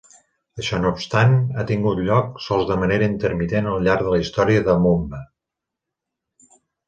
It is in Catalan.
Això no obstant, ha tingut lloc sols de manera intermitent al llarg de la història del Moomba.